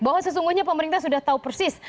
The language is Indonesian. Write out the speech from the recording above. bahwa sesungguhnya pemerintah sudah tahu persis